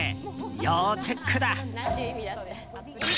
要チェックだ。